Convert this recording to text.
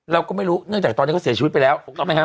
เราก็ไม่รู้เนื่องจากตอนนี้เขาเสียชีวิตไปแล้ว